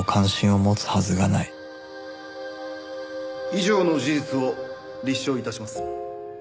以上の事実を立証致します。